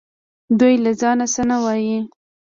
دوی له ځانه څه نه وايي